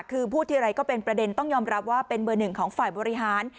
คือพูดทีไรก็เป็นประเด็นต้องยอมรับว่าเป็นเบอร์หนึ่งของฝ่ายบริหาร